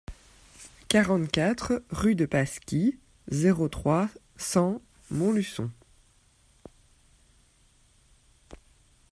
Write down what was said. quarante-quatre rue de Pasquis, zéro trois, cent Montluçon